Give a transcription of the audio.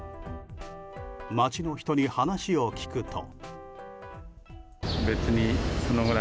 街の人に話を聞くと。